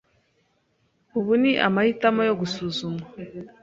Ubu ni amahitamo yo gusuzuma.